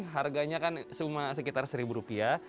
harganya kan cuma sekitar seribu rupiah